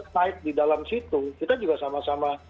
side di dalam situ kita juga sama sama